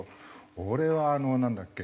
俺はあのなんだっけ？